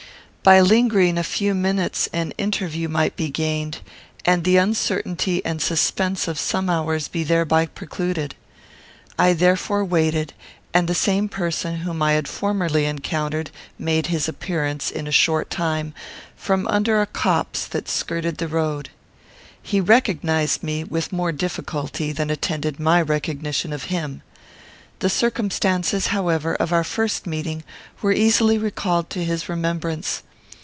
By lingering a few minutes an interview might be gained, and the uncertainty and suspense of some hours be thereby precluded. I therefore waited, and the same person whom I had formerly encountered made his appearance, in a short time, from under a copse that skirted the road. He recognised me with more difficulty than attended my recognition of him. The circumstances, however, of our first meeting were easily recalled to his remembrance.